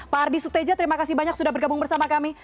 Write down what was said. pak ardi suteja terima kasih banyak sudah bergabung bersama kami